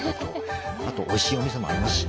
あとおいしいお店もありますしね。